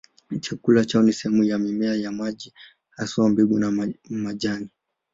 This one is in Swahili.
Chakula chao ni sehemu za mimea ya maji, haswa mbegu na majani.